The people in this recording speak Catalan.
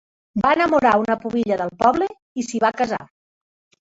Va enamorar una pubilla del poble i s'hi va casar.